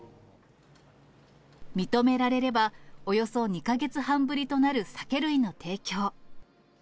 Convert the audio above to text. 認められれば、およそ２か月半ぶりとなる酒類の提供。